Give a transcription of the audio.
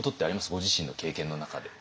ご自身の経験の中で。